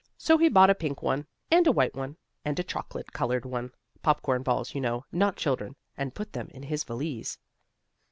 So he bought a pink one, and a white one, and a chocolate colored one, popcorn balls you know not children and put them in his valise.